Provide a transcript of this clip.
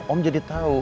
om jadi tau